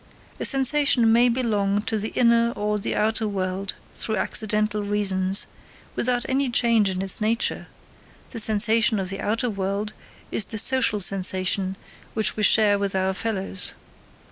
A sensation may belong to the inner or the outer world through accidental reasons, without any change in its nature; the sensation of the outer world is the social sensation which we share with our fellows.